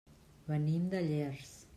Venim de Llers.